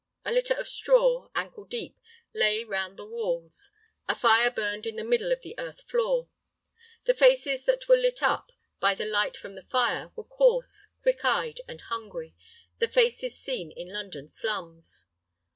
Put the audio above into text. A litter of straw, ankle deep, lay round the walls. A fire burned in the middle of the earth floor. The faces that were lit up by the light from the fire were coarse, quick eyed, and hungry, the faces seen in London slums.